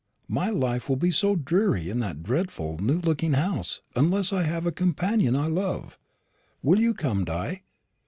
My life will be so dreary in that dreadful new looking house, unless I have a companion I love. Will you come, Di?